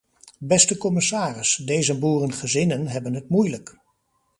Beste commissaris, deze boerengezinnen hebben het moeilijk.